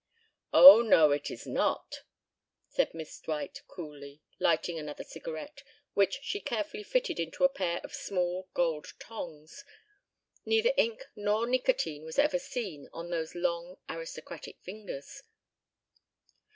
"Oh, no, it is not," said Miss Dwight coolly, lighting another cigarette, which she carefully fitted into a pair of small gold tongs: neither ink nor nicotine was ever seen on those long aristocratic fingers.